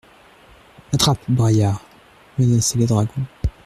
«Attrape, braillard !» menaçaient les dragons.